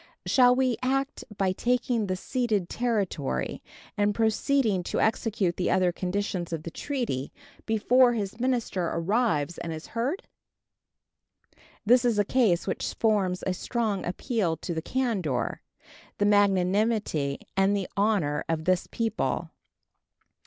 Shall we act by taking the ceded territory and proceeding to execute the other conditions of the treaty before this minister arrives and is heard? This is a case which forms a strong appeal to the candor, the magnanimity, and the honor of this people.